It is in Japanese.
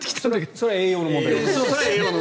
それは栄養の問題です。